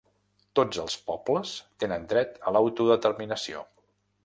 Tots els pobles tenen dret a l'autodeterminació.